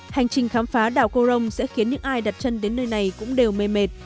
hành trình khám phá đảo cô rông sẽ khiến những ai đặt chân đến nơi này cũng đều mê mệt